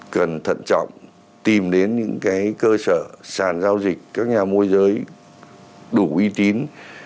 cần thận trọng tìm đến những cơ sở sản giao dịch các nhà môi giới đủ uy tín